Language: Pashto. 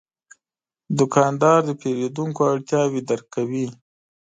دوکاندار د پیرودونکو اړتیاوې درک کوي.